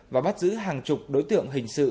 và bắt giữ hàng chục đối tượng hình sự